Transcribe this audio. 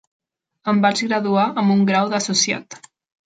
Em vaig graduar amb un grau d'associat.